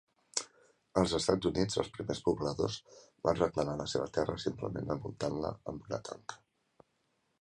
Als Estats Units, els primers pobladors van reclamar la seva terra simplement envoltant-la amb una tanca.